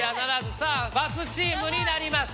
さあ×チームになります。